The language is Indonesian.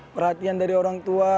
perhatian dari orang tua